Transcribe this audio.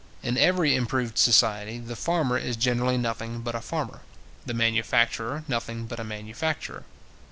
In every improved society, the farmer is generally nothing but a farmer; the manufacturer, nothing but a manufacturer.